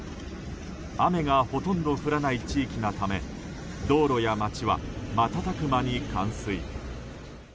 雨がほとんど降らない地域なため道路や町は瞬く間に冠水。